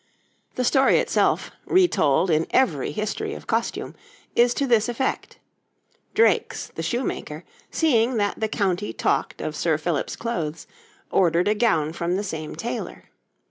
The story itself, retold in every history of costume, is to this effect: Drakes, the shoemaker, seeing that the county talked of Sir Philip's clothes, ordered a gown from the same tailor.